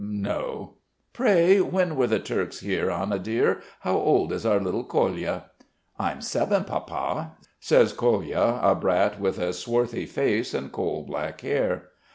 No! Pray, when were the Turks here? Anna dear, how old is our little Kolya?" "I'm seven, Papa!" says Kolya, a brat with a swarthy face and coal black hair.